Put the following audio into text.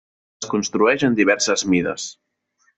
Es construeix en diverses mides.